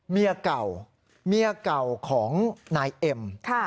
เมียเก่าของนายเอ็ม